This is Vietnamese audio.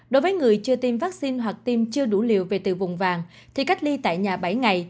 đối với người chưa tiêm vaccine hoặc tiêm chưa đủ liều về từ vùng vàng thì cách ly tại nhà bảy ngày